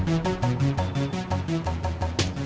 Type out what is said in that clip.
harus balik dalam seminggu